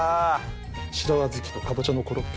白小豆とかぼちゃのコロッケ